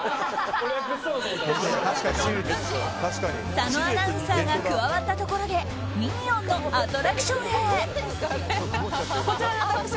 佐野アナウンサーが加わったところでミニオンのアトラクションへ。